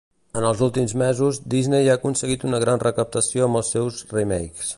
En els últims mesos, Disney ha aconseguit una gran recaptació amb els seus remakes.